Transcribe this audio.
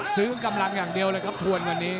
ซื้อกำลังยังเดียวเลยครับถวนวันนี้